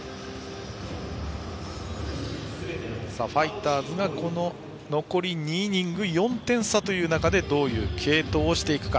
ファイターズが残り２イニング４点差という中でどういう継投をしていくか。